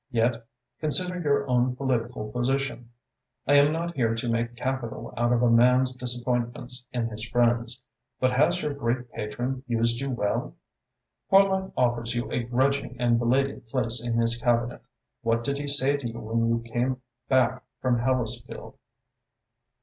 Yet consider your own political position. I am not here to make capital out of a man's disappointment in his friends, but has your great patron used you well? Horlock offers you a grudging and belated place in his Cabinet. What did he say to you when you came hack from Hellesfield?"